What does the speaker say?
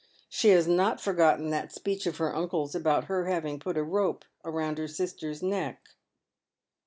She has not forgotten that speech of her uncle's about her having put a rope round her sister's neck.